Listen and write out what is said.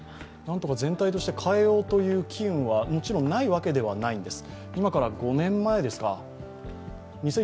全体として変えようという機運はもちろんないわけではないんです。